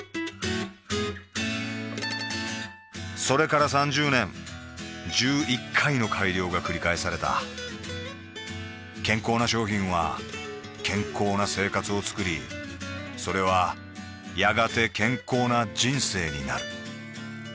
それから３０年１１回の改良がくり返された健康な商品は健康な生活をつくりそれはやがて健康な人生になる